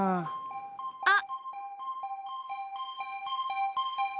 あっ！